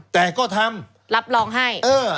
แต่ก็ทำรับรองให้